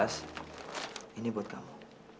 sas ini buat kamu